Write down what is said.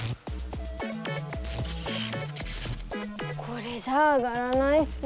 これじゃああがらないっす。